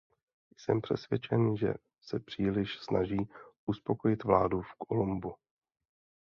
Jsem přesvědčen, že se příliš snaží uspokojit vládu v Colombu.